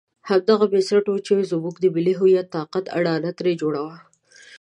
همدغه بنسټ وو چې زموږ د ملي هویت طاقت اډانه ترې جوړه وه.